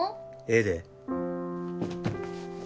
ええで。